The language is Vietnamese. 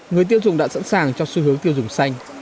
người tiêu dùng đã sẵn sàng cho xu hướng tiêu dùng xanh